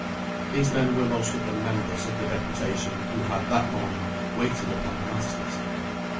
These men were most of them members of the deputation who had that morning waited upon the masters.